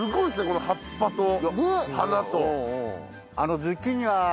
この葉っぱと花と。